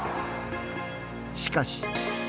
しかし。